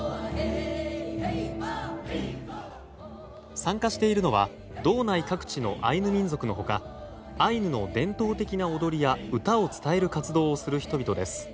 参加しているのは道内各地のアイヌ民族の他アイヌの伝統的な踊りや歌を伝える活動をする人々です。